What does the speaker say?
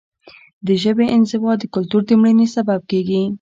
د ژبې انزوا د کلتور د مړینې سبب کیږي.